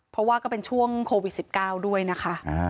เพราะว่าก็เป็นช่วงโควิด๑๙ด้วยนะคะ